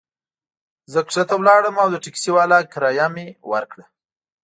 زه کښته ولاړم او د ټکسي والا کرایه مي ورکړه.